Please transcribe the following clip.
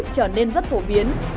trở nên rất phổ biến